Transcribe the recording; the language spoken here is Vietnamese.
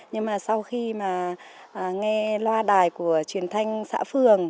nhưng mà sau khi mà nghe loa đài của truyền thanh xã phường